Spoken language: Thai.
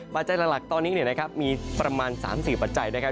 ปัจจัยหลักตอนนี้มีประมาณ๓๔ปัจจัยนะครับ